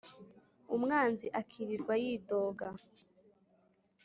Umwanzi akirirwa yidoga